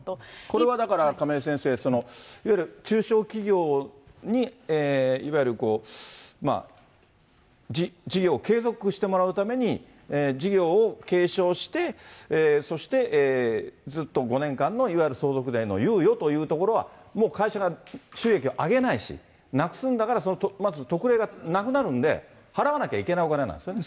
これはだから、亀井先生、いわゆる中小企業にいわゆる事業を継続してもらうために、事業を継承して、そしてずっと５年間のいわゆる相続税の猶予というところは、もう会社が収益を上げないし、なくすんだから、その特例がなくなるんで、払わなきゃいけないお金なんですよね。